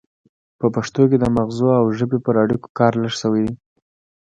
په پښتو کې د مغزو او ژبې پر اړیکو کار لږ شوی دی